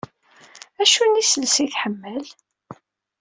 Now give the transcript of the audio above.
Acu n yiselsa ay tḥemmel?